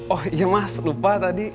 oh iya mas lupa tadi